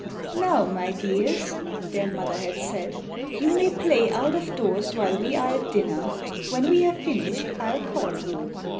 "Now, my dears," their mother had said, "you may play out of doors while we are at dinner. When we have finished I'll call you.